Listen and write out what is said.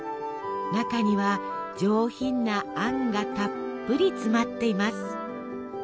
中には上品なあんがたっぷり詰まっています。